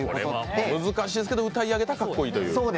難しいですけど、歌い上げたらかっこいいという。